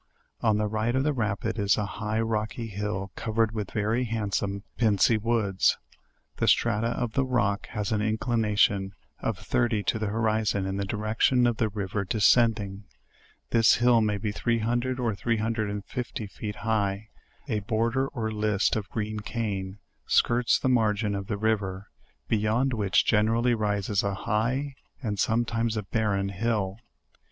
On the right of the rapid is a high rocky hill covered with very handsome pincy woods. The strata of the rock has an inclination of 30 to the horizon in the direction of the river desc ending. This hill may be three hundred or three hundred and fifty feet high; a border or list of green cane skirts the margin of the river, beyond which generally rises a high, and sometimes a barren hill.